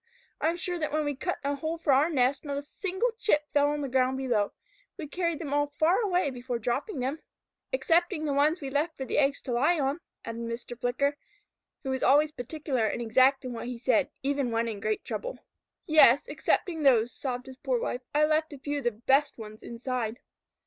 I am sure that when we cut the hole for our nest, not a single chip fell to the ground below. We carried them all far away before dropping them. "Excepting the ones we left for the eggs to lie on," added Mr. Flicker, who was always particular and exact in what he said, even when in great trouble. [Illustration: A VERY CRUEL THING TO DO. Page 38] "Yes, excepting those," sobbed his poor wife. "I left a few of the best ones inside."